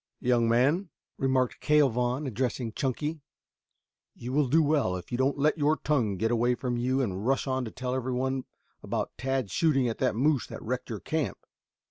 "Young man," remarked Cale Vaughn, addressing Chunky, "you will do well if you don't let your tongue get away from you and rush on to tell everyone about Tad shooting at the moose that wrecked your camp.